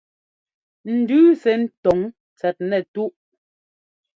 Ndʉʉ sɛ́ ńtɔ́ŋ tsɛt nɛtúꞌ.